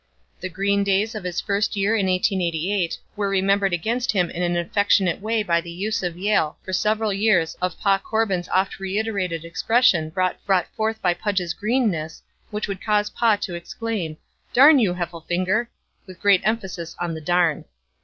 The green days of his first year in 1888 were remembered against him in an affectionate way by the use of Yale for several years of 'Pa' Corbin's oft reiterated expression brought forth by Pudge's greenness, which would cause 'Pa' to exclaim: 'Darn you, Heffelfinger!' with great emphasis on the 'Darn.'